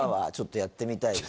やってみたいです。